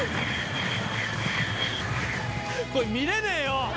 これ、見れねえよ！